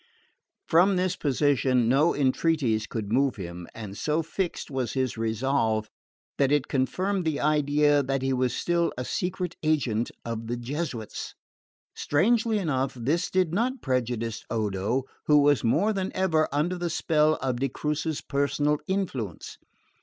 From this position no entreaties could move him; and so fixed was his resolve that it confirmed the idea that he was still a secret agent of the Jesuits. Strangely enough, this did not prejudice Odo, who was more than ever under the spell of de Crucis's personal influence.